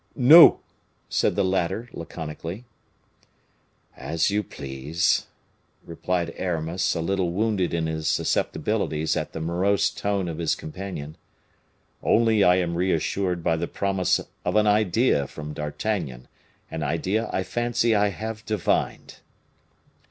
"No," said the latter, laconically. "As you please," replied Aramis, a little wounded in his susceptibilities at the morose tone of his companion. "Only I am reassured by the promise of an idea from D'Artagnan, an idea I fancy I have divined."